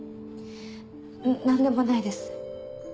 何でもないです。